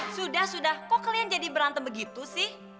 sudah sudah kok kalian jadi berantem begitu sih